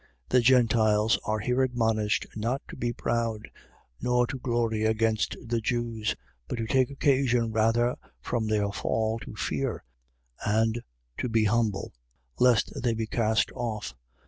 . .The Gentiles are here admonished not to be proud, nor to glory against the Jews: but to take occasion rather from their fall to fear and to be humble, lest they be cast off.